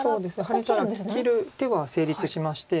ハネたら切る手は成立しまして。